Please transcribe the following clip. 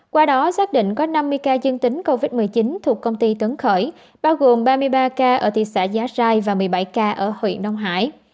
qua đó xác định có năm mươi ca dương tính covid một mươi chín thuộc công ty tuấn khởi bao gồm ba mươi ba ca ở thị xã giá rai và một mươi bảy ca ở huyện đông hải